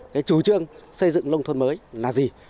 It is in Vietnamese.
cái chủ trương xây dựng nông thôn mới là gì